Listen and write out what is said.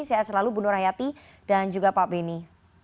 saya selalu bu nur hayati dan juga pak beni